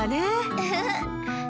ウフフ！